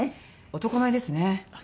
男前ですよ。